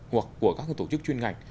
hoặc của các cái tổ chức chuyên ngành